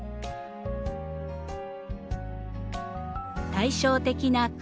対照的な黒。